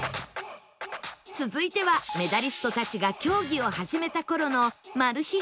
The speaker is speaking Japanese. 続いてはメダリストたちが競技を始めた頃のマル秘